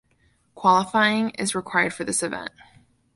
Qualifying is required for this event.